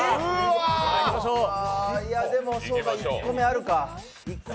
でもそうか、１個目あるか。